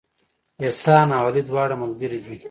احسان او علي دواړه ملګري دي